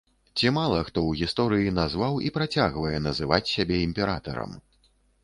Ці мала хто ў гісторыі назваў і працягвае называць сябе імператарам.